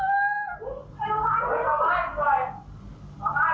เหลือจริงแล้วเอาให้